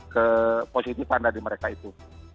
kepositifan dari mereka itu